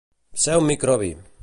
Ser un microbi.